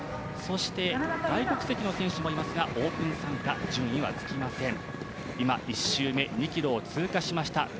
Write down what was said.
そして外国籍の選手もいますがオープン参加順位はつきません、今、１周目２ｋｍを通過しました。